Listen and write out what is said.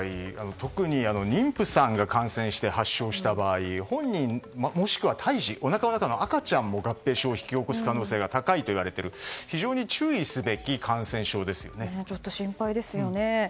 特に、妊婦さんが感染して発症した場合本人、もしくはおなかの中の赤ちゃんも合併症を引き起こす可能性が高いといわれているちょっと心配ですよね。